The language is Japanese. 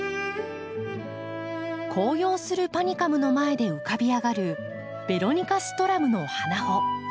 紅葉するパニカムの前で浮かび上がるベロニカストラムの花穂。